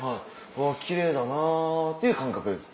奇麗だなっていう感覚です。